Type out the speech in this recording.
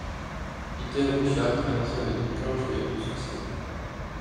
Peter Wishart, un ancien de Big Country lui succède.